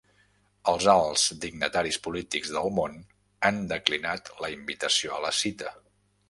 Els alts dignataris polítics del món han declinat la invitació a la cita.